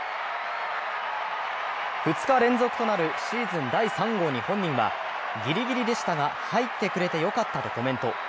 ２日連続となるシーズン第３号に本人はギリギリでしたが入ってくれてよかったとコメント。